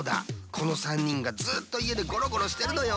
このさんにんがずっといえでゴロゴロしてるのよ。